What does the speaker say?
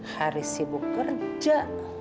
haris sibuk kerja